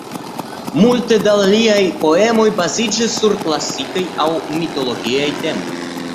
Multe da liaj poemoj baziĝis sur klasikaj aŭ mitologiaj temoj.